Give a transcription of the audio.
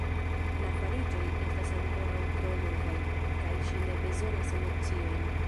La fariĝoj estas ankoraŭ tro novaj; kaj ŝi ne bezonas emociojn.